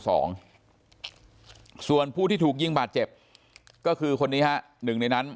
ส่วนผู้ที่ถูกยิงบาดเจ็บก็คือคนนี้ฮะหนึ่งในนั้น